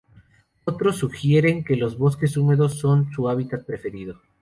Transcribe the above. Otros sugieren que los bosques húmedos son su hábitat preferido.